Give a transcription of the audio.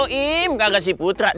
tidak ada putra